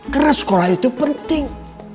karena sekolah itu penting